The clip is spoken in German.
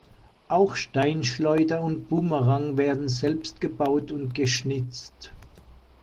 Auch Steinschleuder und Bumerang werden selbst gebaut und geschnitzt.